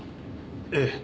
ええ。